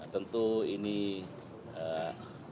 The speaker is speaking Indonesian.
tentu ini mestinya terus berlaku